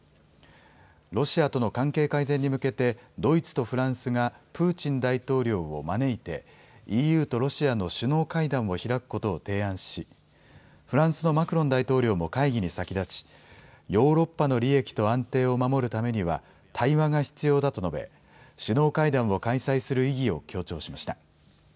ロシアとの関係改善に向けてドイツとフランスがプーチン大統領を招いてＥＵとロシアの首脳会談を開くことを提案し、フランスのマクロン大統領も会議に先立ち、ヨーロッパの利益と安定を守るためには対話が必要だと述べ、首脳会談を開催する意義を強調しました。